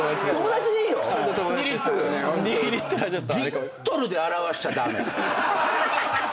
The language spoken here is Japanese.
リットルで表しちゃ駄目。